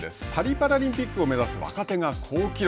パリオリンピックを目指す若手が好記録。